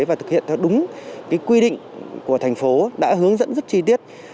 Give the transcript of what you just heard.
và thực hiện theo đúng quy định của thành phố đã hướng dẫn rất chi tiết